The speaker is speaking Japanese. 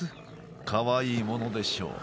かわいいものでしょう。